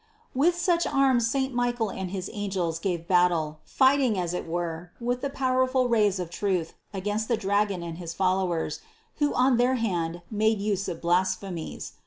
107. With such arms St. Michael and his angels gave battle, fighting as it were, with the powerful rays of truth against the dragon and his followers, who on their hand made use of blasphemies.